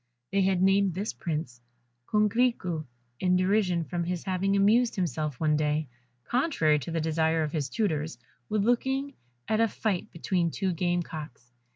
They had named this prince, Coquerico, in derision from his having amused himself one day contrary to the desire of his tutors with looking at a fight between two game cocks.